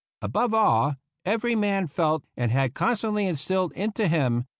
Above all, every man felt, and had constantly instilled into him, a 3?